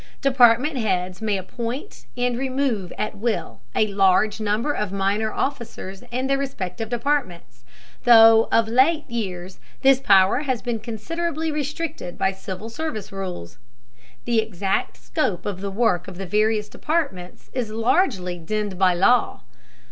Department heads may appoint and remove at will a large number of minor officers in their respective departments, though of late years this power has been considerably restricted by Civil Service rules. The exact scope of the work of the various departments is largely denned by law.